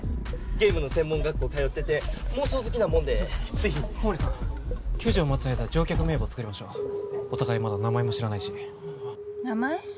ゲームの専門学校通ってて妄想好きなもんでつい小森さん救助を待つ間乗客名簿を作りましょうお互いまだ名前も知らないし名前？